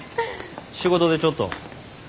仕事でちょっと。